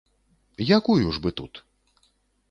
Якую ж бы тут?